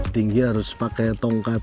tinggi harus pakai tongkat